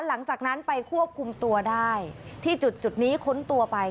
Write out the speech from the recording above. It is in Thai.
หลังจากนั้นไปควบคุมตัวได้ที่จุดนี้ค้นตัวไป